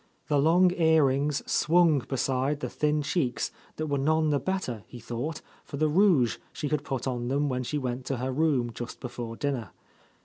The long earrings swung beside the thin cheeks that were none the better, he thought, for the rouge she had put on them when she went to her room just before dinner.